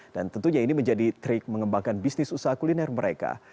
dan tentunya ini menjadi trik mengembangkan bisnis usaha kuliner mereka